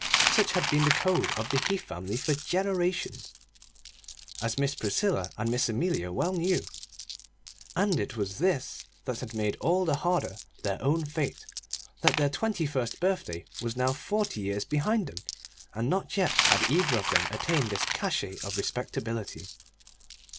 Such had been the code of the Heath family for generations, as Miss Priscilla and Miss Amelia well knew; and it was this that had made all the harder their own fate that their twenty first birthday was now forty years behind them, and not yet had either of them attained this cachet of respectability.